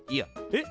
えっ？